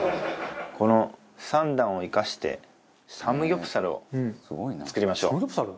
この３段を生かしてサムギョプサルを作りましょう。